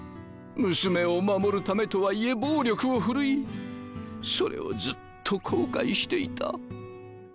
娘を守るためとはいえ暴力を振るいそれをずっと後悔していた。